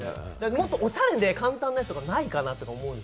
もっとおしゃれで、簡単なやつとかないかなと。